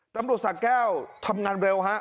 ตำรวจสะแก้วทำงานเร็วฮะ